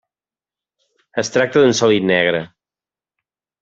Es tracta d'un sòlid negre.